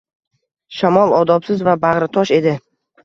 Shamol odobsiz va bag‘ritosh edi